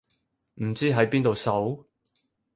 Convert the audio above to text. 唔知喺邊度搜